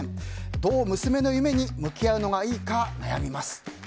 どう娘の夢に向き合えばいいか悩みます。